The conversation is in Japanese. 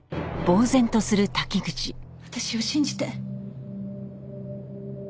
私を信じて。